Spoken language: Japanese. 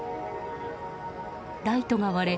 ライトが割れ